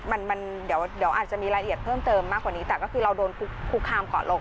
มันมันเดี๋ยวอาจจะมีรายละเอียดเพิ่มเติมมากกว่านี้แต่ก็คือเราโดนคุกคามก่อนลง